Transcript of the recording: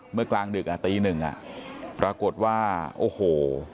เมื่อกลางดึกตีหนึ่งปรากฏว่าโอ้โห